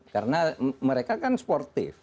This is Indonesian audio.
karena mereka kan sportif